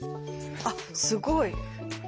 あっすごい。